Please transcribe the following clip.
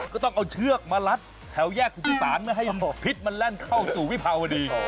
ก็ต้องเอาเชือกมารัดแถวแยกสุธิศาลไม่ให้พิษมันแล่นเข้าสู่วิภาวดี